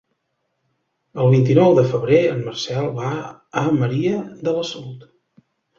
El vint-i-nou de febrer en Marcel va a Maria de la Salut.